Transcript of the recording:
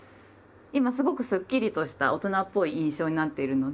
今すごくスッキリとした大人っぽい印象になっているので。